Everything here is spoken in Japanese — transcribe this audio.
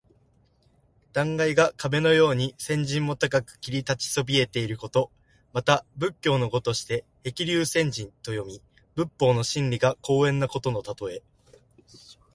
断崖が壁のように千仞も高く切り立ちそびえていること。また仏教の語として「へきりゅうせんじん」と読み、仏法の真理が高遠なことのたとえ。